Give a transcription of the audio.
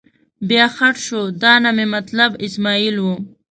بیا خټ شو، دا نه مې مطلب اسمعیل و.